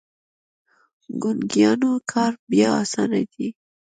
د ګونګيانو کار بيا اسانه دی.